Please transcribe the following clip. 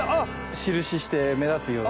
印して目立つように。